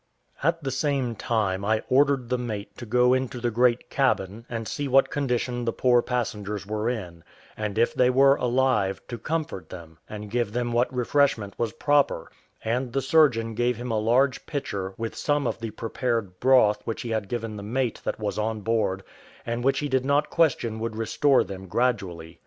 At the same time I ordered the mate to go into the great cabin, and see what condition the poor passengers were in; and if they were alive, to comfort them, and give them what refreshment was proper: and the surgeon gave him a large pitcher, with some of the prepared broth which he had given the mate that was on board, and which he did not question would restore them gradually.